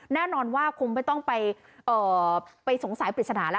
แน่นอนว่าคงไม่ต้องไปสงสัยปริศนาแล้ว